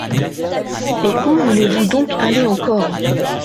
Et où voulez-vous donc aller encore ?